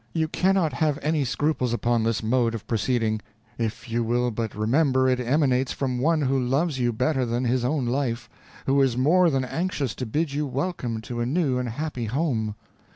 You cannot have any scruples upon this mode of proceeding, if you will but remember it emanates from one who loves you better than his own life who is more than anxious to bid you welcome to a new and happy home.